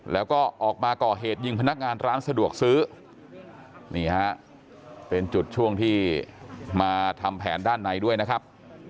แล้วก็ออกมาก่อเหตุยิงพนักงานร้านสะดวกซื้อนี่ฮะเป็นจุดช่วงที่มาทำแผนด้านในด้วยนะครับ